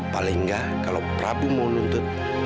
paling gak kalau prabu mau nuntut